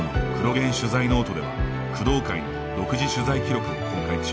現取材ノートでは工藤会の独自取材記録を公開中。